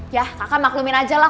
ya kakak maklumin aja lah